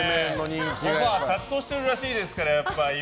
オファー殺到してるらしいですから。